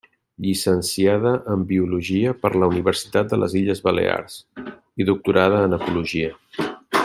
Llicenciada en biologia per la Universitat de les Illes Balears i doctorada en ecologia.